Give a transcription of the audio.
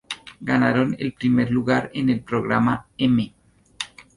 Ganaron el primer lugar en el programa "M!